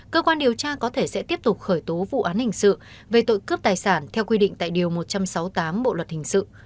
cơ quan điều tra có thể sẽ tiếp tục khởi tố vụ án hình sự về tội cướp tài sản theo quy định tại điều một trăm sáu mươi tám bộ luật hình sự